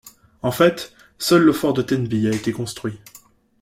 En fait, seul le fort de Tenby a été construit.